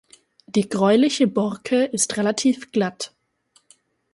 Die gräuliche Borke ist relativ glatt.